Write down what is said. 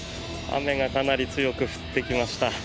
雨がかなり強く降ってきました。